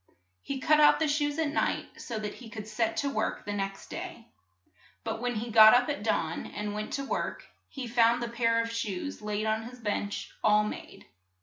He cut out the shoes at night so that he could set to work the next day. But when he got up at dawn and went to work, he found the pair of shoes laid on his bench all made.